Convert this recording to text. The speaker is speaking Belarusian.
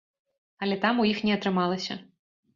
Але там у іх не атрымалася.